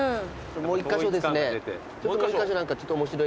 もう１カ所ですね。